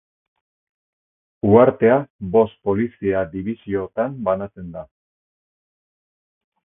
Uhartea bost polizia-dibisiotan banatzen da.